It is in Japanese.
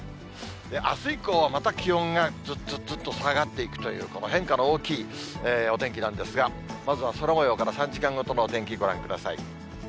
あす以降はまた気温がずっずっずっと下がっていくという、変化の大きいお天気なんですが、まずは空もようから３時間ごとのお天気、ご覧ください。